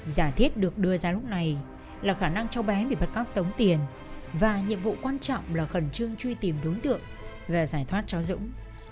giả thiết được đưa ra lúc này là khả năng cháu bé bị bắt cóc tống tiền và nhiệm vụ quan trọng là khẩn trương truy tìm đối tượng và giải thoát cháu dũng